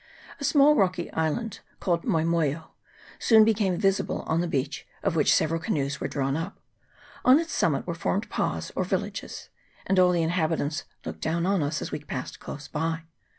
A small rocky island, called Moioio, soon became visible, on the beach of which several canoes were drawn up. On its summit were formed pa's, or vil lages, and all the inhabitants looked down on us as we passed close by.